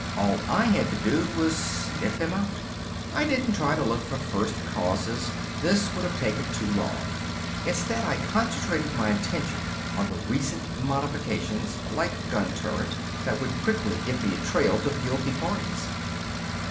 All I had to do was sniff them out. I didn't try to look for first causes, this would have taken too long. Instead I concentrated my attention on the recent modifications, like the gun turret, that would quickly give me a trail to the guilty parties.